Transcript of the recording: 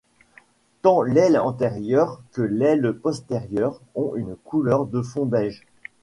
Tant l'aile antérieure que l'aile postérieure ont une couleur de fond beige.